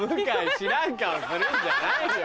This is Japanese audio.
知らん顔するんじゃないよ。